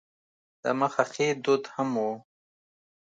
د مخه ښې دود هم و.